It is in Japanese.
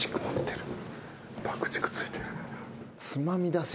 爆竹ついてる。